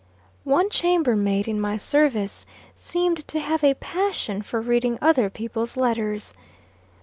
One chamber maid in my service, seemed to have a passion for reading other people's letters.